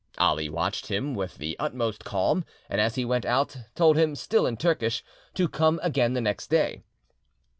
Ali watched him with the utmost calm, and as he went out told him, still in Turkish, to come again the next day.